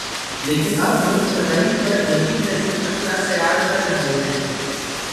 لیکن اب ملک سطحی پر جدیدترین اسلحہ تیار کررہے ہیں